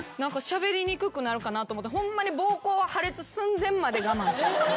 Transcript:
しゃべりにくくなるかなと思ってホンマにぼうこう破裂寸前まで我慢します。